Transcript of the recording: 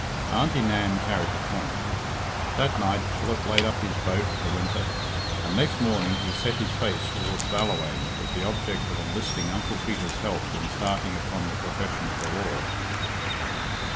Auntie Nan carried her point. That night Philip laid up his boat for the winter, and next morning he set his face towards Ballawhaine with the object of enlisting Uncle Peter's help in starting upon the profession of the law.